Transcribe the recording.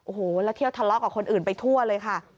โอ้โหแล้วเที่ยวทะเลาะกับคนอื่นไปทั่วเลยค่ะ